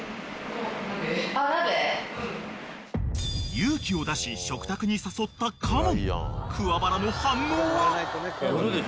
［勇気を出し食卓に誘った嘉門］